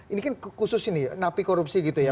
ini kan khusus ini napi korupsi gitu ya